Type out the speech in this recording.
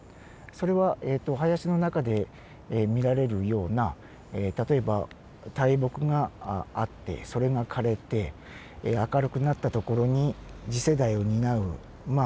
それは林の中で見られるような例えば大木があってそれが枯れて明るくなった所に次世代を担うま